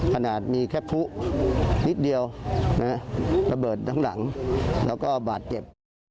ขนาดมีแค่ผู้นิดเดียวระเบิดทั้งหลังแล้วก็บาดเจ็บ